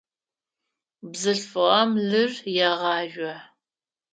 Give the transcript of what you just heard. Бзылъфыгъэм лыр егъажъо.